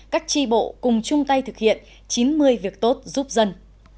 các tri bộ cùng chung tay thực hiện chín mươi việc tốt giúp dân